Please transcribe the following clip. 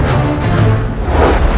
aku masih hidup